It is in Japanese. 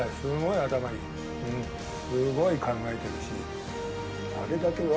すごい考えてるし。